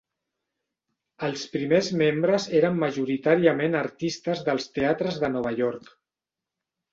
Els primers membres eren majoritàriament artistes dels teatres de Nova York.